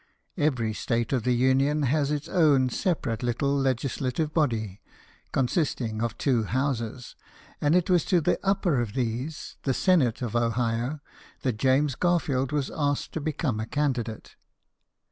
Every state of the Union has its own separate little legislative body, consisting of two houses ; and it was to the upper of these, the Senate of Ohio, that James Garfield was asked to become a c andidate.